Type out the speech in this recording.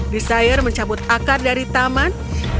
desire mencabut akar dari taman